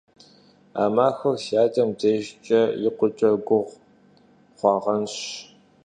А махуэр си адэм дежкӀэ икъукӀэ гугъу хъуагъэнщ.